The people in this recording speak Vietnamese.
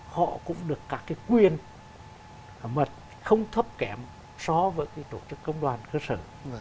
họ cũng được các cái quyền mật không thấp kém so với cái tổ chức công đoàn cơ sở